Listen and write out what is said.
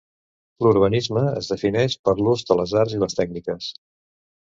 L'urbanisme es defineix per l'ús de les arts i les tècniques.